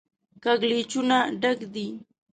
کږلېچونو ډک دی.